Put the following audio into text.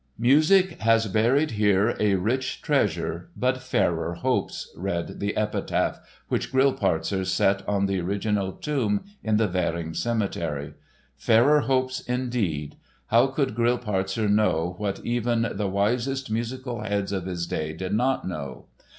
] "Music has buried here a rich treasure, but fairer hopes," read the epitaph which Grillparzer set on the original tomb in the Währing cemetery. "Fairer hopes," indeed! How could Grillparzer know what even the wisest musical heads of his day did not know?